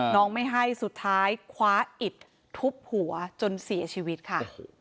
ไม่ให้สุดท้ายคว้าอิดทุบหัวจนเสียชีวิตค่ะ